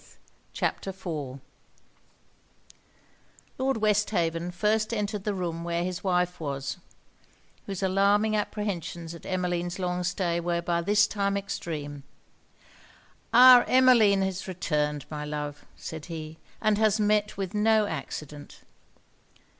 ] CHAPTER IV Lord Westhaven first entered the room where his wife was, whose alarming apprehensions at Emmeline's long stay were by this time extreme. 'Our Emmeline is returned, my love,' said he, 'and has met with no accident.'